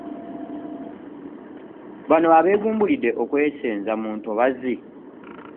Bano abeegumbulidde okwesenza mu ntobazzi